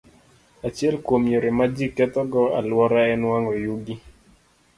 Achiel kuom yore ma ji kethogo alwora en wang'o yugi.